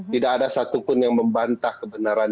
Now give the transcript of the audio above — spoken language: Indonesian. tidak ada satupun yang membantah kebenaran